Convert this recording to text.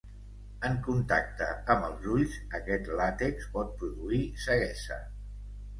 En contacte amb els ulls aquest làtex pot produir ceguesa.